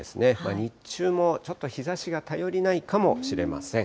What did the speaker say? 日中もちょっと日ざしが頼りないかもしれません。